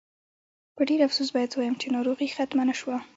په ډېر افسوس باید ووایم چې ناروغي ختمه نه شوه.